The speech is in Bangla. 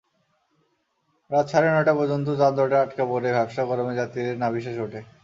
রাত সাড়ে নয়টা পর্যন্ত যানজটে আটকা পড়ে ভ্যাপসা গরমে যাত্রীদের নাভিশ্বাস ওঠে।